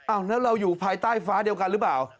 แล้วเราอยู่ภายใต้ฟ้าเดียวกันหรือเปล่า